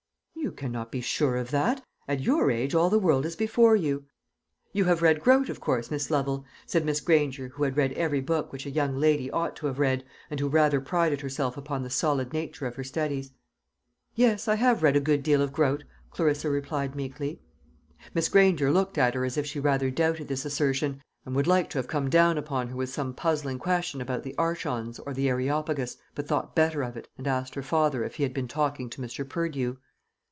"You cannot be sure of that; at your age all the world is before you." "You have read Grote, of course, Miss Lovel?" said Miss Granger, who had read every book which a young lady ought to have read, and who rather prided herself upon the solid nature of her studies. "Yes, I have read a good deal of Grote," Clarissa replied meekly. Miss Granger looked at her as if she rather doubted this assertion, and would like to have come down upon her with some puzzling question about the Archons or the Areopagus, but thought better of it, and asked her father if he had been talking to Mr. Purdew.